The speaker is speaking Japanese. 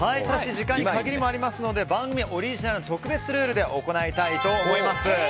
時間に限りもありますので番組オリジナルの特別ルールで行いたいと思います。